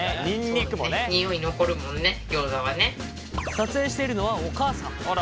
撮影しているのはお母さん。